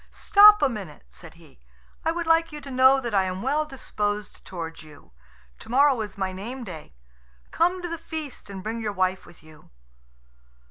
"Stop a minute," said he; "I would like you to know that I am well disposed towards you. To morrow is my name day. Come to the feast, and bring your wife with you."